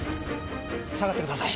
下がってください。